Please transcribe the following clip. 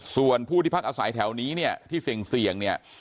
ส่วนผู้ที่พักอาศัยแถวนี้เนี่ยที่เสี่ยงเนี่ย